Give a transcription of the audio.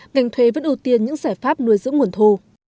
ngành thuế vẫn ưu tiên những giải pháp nuôi dưỡng nguồn thu